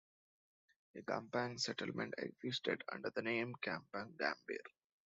A kampung settlement existed under the name Kampung Gambir.